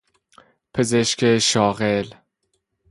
پزشک شاغل